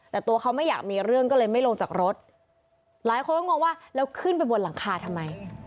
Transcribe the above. แต่ตัวเขาไม่อยากมีเรื่องก็เลยไม่ลงจากรถหลายคนก็งงว่าแล้วขึ้นไปบนหลังคาทำไม